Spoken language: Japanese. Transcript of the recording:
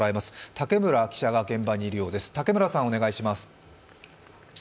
竹村記者が現場にいるようです。